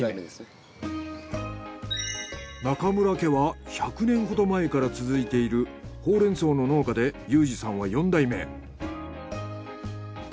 中村家は１００年ほど前から続いているホウレンソウの農家で裕司さんは４代目。